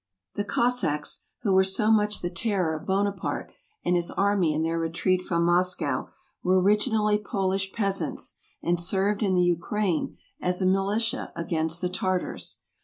The Cossacks, who were so much the terror of Buonaparte and his army in their retreat from Moscow, were originally Polish peasants, and served in the Ukraine as a militia against the Tartars.